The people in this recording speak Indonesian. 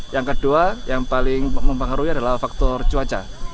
yang kedua yang paling mempengaruhi adalah faktor cuaca